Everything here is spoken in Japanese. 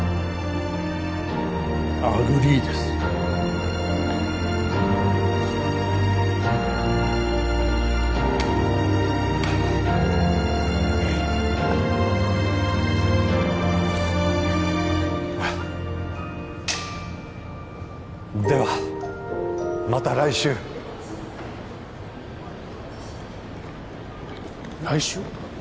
アグリーですあっではまた来週来週！？